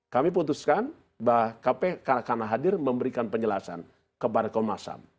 kami putuskan bahwa kpk karena hadir memberikan penjelasan kepada komnas ham